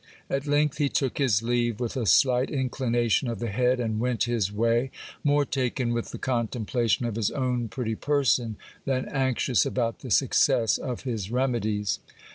At length he took his leave with a slight inclination of the head, and went his way, more taken with the contemplation of his own pretty person, than anxious about the success of his remedies.